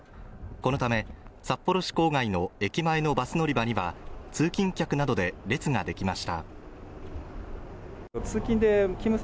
このため札幌市郊外の駅前のバス乗り場には通勤客などで列ができました